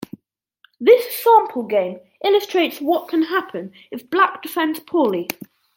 This sample game illustrates what can happen if Black defends poorly.